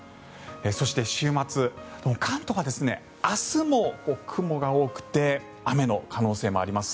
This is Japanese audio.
そして、週末関東は明日も雲が多くて雨の可能性もあります。